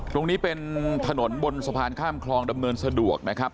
ตรงนี้เป็นถนนบนสะพานข้ามคลองดำเนินสะดวกนะครับ